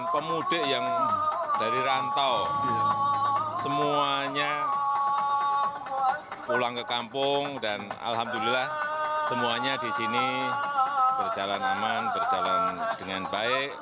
pulang ke kampung dan alhamdulillah semuanya disini berjalan aman berjalan dengan baik